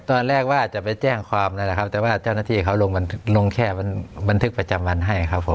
ว่าจะไปแจ้งความนั่นแหละครับแต่ว่าเจ้าหน้าที่เขาลงแค่บันทึกประจำวันให้ครับผม